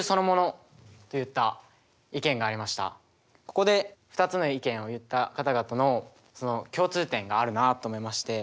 ここで２つの意見を言った方々の共通点があるなと思いまして。